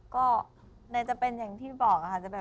ก็น่าจะเป็นอย่างที่บอกค่ะ